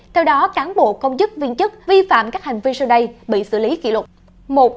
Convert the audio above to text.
theo đó cán bộ công chức viên chức vi phạm các hành vi sau đây bị xử lý kỷ lục